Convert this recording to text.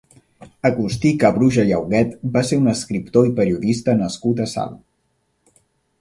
Agustí Cabruja i Auguet va ser un escriptor i periodista nascut a Salt.